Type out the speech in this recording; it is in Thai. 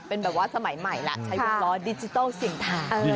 เป็นแบบว่าสมัยใหม่แล้วใช้วงล้อดิจิทัลเสียงทา